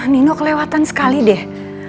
nino kelewatan sekali deh